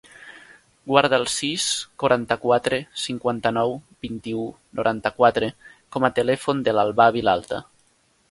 Guarda el sis, quaranta-quatre, cinquanta-nou, vint-i-u, noranta-quatre com a telèfon de l'Albà Vilalta.